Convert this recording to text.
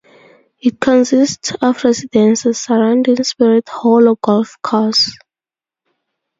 It consists of residences surrounding Spirit Hollow Golf Course.